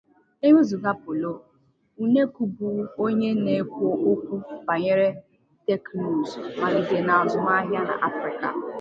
E wezụga polo, Uneku bụ onye na-ekwu okwu banyere teknụzụ, mmalite, na azụmaahịa n'Afrika.